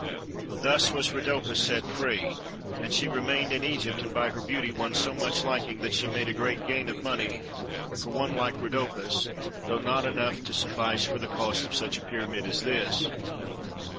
Thus was Rhodopis set free, and she remained in Egypt and by her beauty won so much liking that she made great gain of money for one like Rhodopis, though not enough to suffice for the cost of such a pyramid as this.